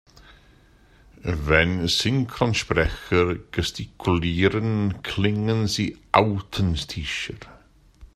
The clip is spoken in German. Wenn Synchronsprecher gestikulieren, klingen sie authentischer.